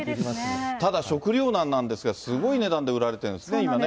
ただ、食糧難なんですけれども、すごい値段で売られているんですね。